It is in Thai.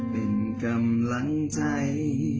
เป็นกำลังใจ